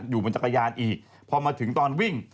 อยู่บนจักรยานอีกพอมาถึงตอนวิ่ง